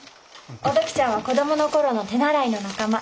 お時ちゃんは子どもの頃の手習いの仲間。